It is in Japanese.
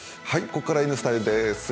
ここからは「Ｎスタ」です。